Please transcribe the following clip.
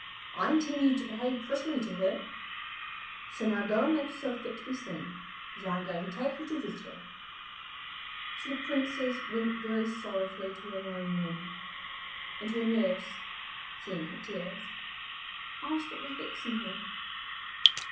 'I intend you to behave prettily to her. So now go and make yourself fit to be seen, as I am going to take you to visit her.' So the Princess went very sorrowfully to her own room, and her nurse, seeing her tears, asked what was vexing her.